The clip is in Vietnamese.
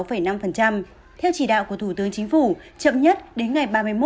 theo chỉ đạo của thủ tướng chính phủ chậm nhất đến ngày ba mươi một tháng một mươi hai năm hai nghìn hai mươi một